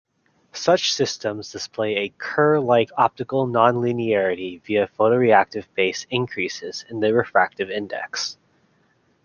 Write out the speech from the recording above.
Such systems display a Kerr-like optical nonlinearity via photoreactive-based increases in the refractive index.